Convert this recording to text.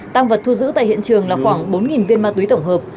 tăng vật thu giữ tại hiện trường là khoảng bốn viên ma túy tổng hợp